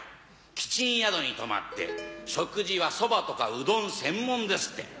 木賃宿に泊まって食事はそばとかうどん専門ですって。